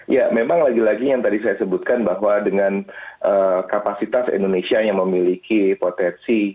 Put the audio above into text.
ya memang lagi lagi yang tadi saya sebutkan bahwa dengan kapasitas indonesia yang memiliki potensi